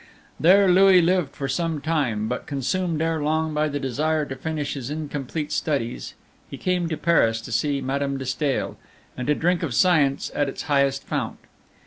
There Louis lived for some time; but consumed ere long by the desire to finish his incomplete studies, he came to Paris to see Madame de Stael, and to drink of science at its highest fount.